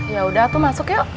yaudah tuh masuk yuk